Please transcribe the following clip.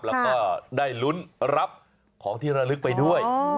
แล้วก็ได้ลุ้นรับของที่ระลึกไปด้วย